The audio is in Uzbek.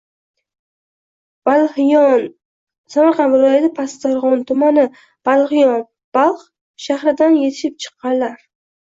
Balxiyon – q., Samarqand viloyati Pastdarg‘om tumani. Balxiyon «Balx shahridan yetishib chiqqanlar».